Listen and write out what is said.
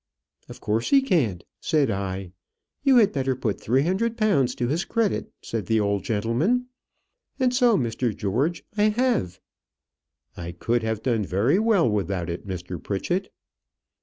'Of course he can't,' said I. 'You had better put three hundred pounds to his credit,' said the old gentleman; and so, Mr. George, I have." "I could have done very well without it, Mr. Pritchett."